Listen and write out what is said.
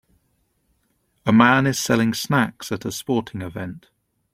A man is selling snacks at a sporting event.